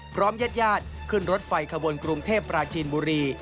พร้อมยัดขึ้นรถไฟขบวนกรุงเทพราชินบุรี